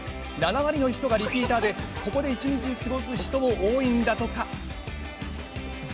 ７割の人がリピーターでここで一日過ごす人も多いんだとか。